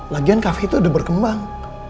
lagian kafe itu udah berkembang